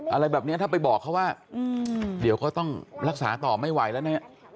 อะไรแบบนี้ถ้าไปบอกเขาว่าเดี๋ยวก็ต้องรักษาต่อไม่ไหวแล้วนะ